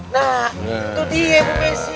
nah itu dia mameshi